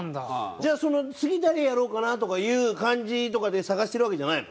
じゃあ次誰やろうかなとかいう感じとかで探してるわけじゃないの？